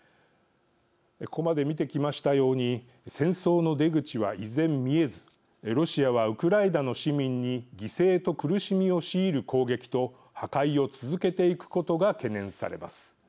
ここまで見てきましたように戦争の出口は依然、見えずロシアはウクライナの市民に犠牲と苦しみを強いる攻撃と破壊を続けていくことが懸念されます。